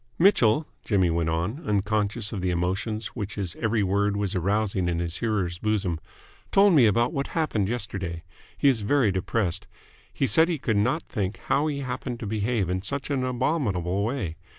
"Mitchell," Jimmy went on, unconscious of the emotions which his every word was arousing in his hearer's bosom, "told me about what happened yesterday. He is very depressed. He said he could not think how he happened to behave in such an abominable way.